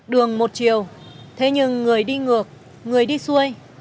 đường một chiều thế nhưng người đi ngược người đi xuôi